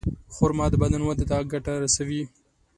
خرما د بدن وده ته ګټه رسوي.